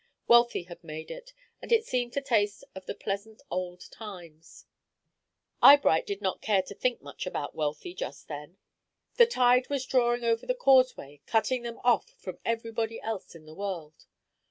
Wealthy had made it, and it seemed to taste of the pleasant old times. Eyebright did not care to think much about Wealthy just then. The tide was drawing over the causeway, cutting them off from everybody else in the world.